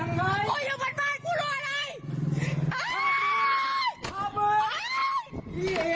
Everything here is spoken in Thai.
คุณเพราะตลกลายไม่รู้อะไร